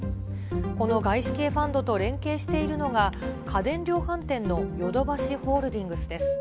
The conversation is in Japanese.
この外資系ファンドと連携しているのが、家電量販店のヨドバシホールディングスです。